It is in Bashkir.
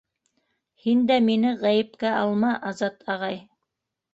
Һин дә мине ғәйепкә алма, Азат ағай!